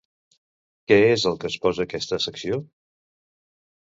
Què és el que exposa aquesta secció?